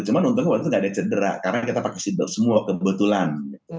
cuma untuk waktu itu tidak ada cedera karena kita pakai sidok semua kebetulan